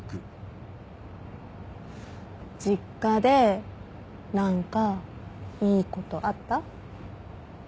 実家で何かいいことあった？